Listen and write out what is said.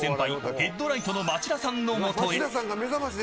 ヘッドライトの町田さんのもとへ。